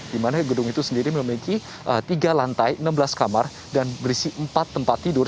di mana gedung itu sendiri memiliki tiga lantai enam belas kamar dan berisi empat tempat tidur